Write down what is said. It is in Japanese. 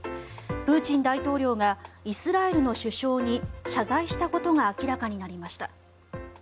プーチン大統領がイスラエルの首相に謝罪したことが明らかになりました。